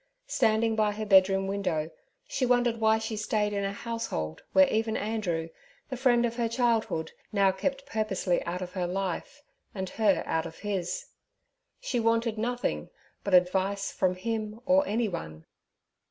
Standing by her bedroom window, she wondered why she stayed in a household where even Andrew, the friend of her childhood, now kept purposely out of her life, and her out of his. She wanted nothing but advice from him or anyone.